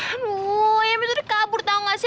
aduh ya minta udah kabur tau gak sih